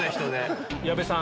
矢部さん